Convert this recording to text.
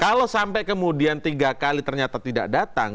kalau sampai kemudian tiga kali ternyata tidak datang